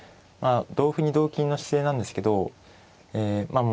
同歩に同金の姿勢なんですけどまあ